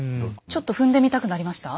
ちょっと踏んでみたくなりました？